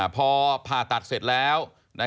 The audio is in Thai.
พอผ่าตัดเสร็จแล้ว